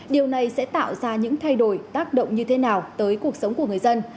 điều này sẽ tạo ra những thay đổi tác động như thế nào tới cuộc sống của người dân